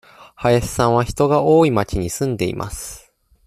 林さんは人が多い町に住んでいます。